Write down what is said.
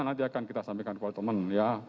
nanti akan kita sampaikan kepada teman ya